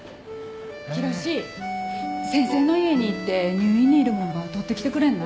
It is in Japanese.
浩志先生の家に行って入院にいるもんば取ってきてくれんな？